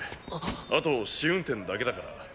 あと試運転だけだから。